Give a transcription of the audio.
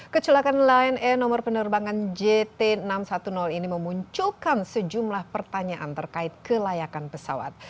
kecelakaan lion air nomor penerbangan jt enam ratus sepuluh ini memunculkan sejumlah pertanyaan terkait kelayakan pesawat